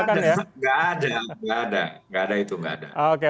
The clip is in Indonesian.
enggak ada enggak ada enggak ada itu enggak ada